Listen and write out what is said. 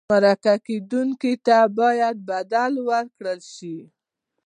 مرکه کېدونکي ته باید بدل ورکړل شي.